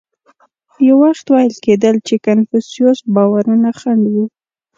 یو وخت ویل کېدل چې کنفوسیوس باورونه خنډ و.